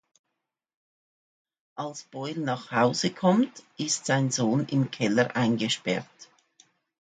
Als Boyle nach Hause kommt, ist sein Sohn im Keller eingesperrt.